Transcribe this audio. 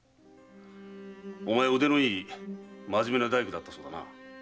お前は腕のいいまじめな大工だったそうだな？